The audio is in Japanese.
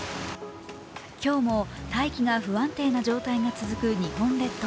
今日も大気が不安定な状態が続く日本列島。